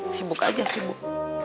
sibuk aja sibuk